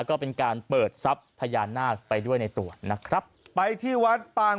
ก็เป็นการเปิดทรัพย์พญานาคไปด้วยในตัวนะครับไปที่วัดปาง